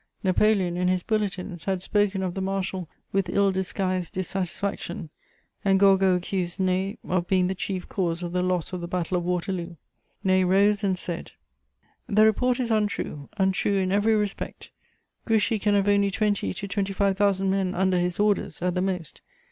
Napoleon, in his bulletins, had spoken of the marshal with ill disguised dissatisfaction, and Gourgaud accused Ney of being the chief cause of the loss of the Battle of Waterloo. Ney rose and said: "The report is untrue, untrue in every respect: Grouchy can have only twenty to twenty five thousand men under his orders, at the most.